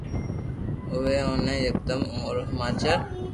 اووي اوني یڪدم اورو ھماچر